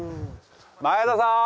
前田さん！